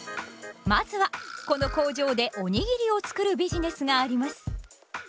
まずはこの工場でおにぎりを作るビジネスがあります。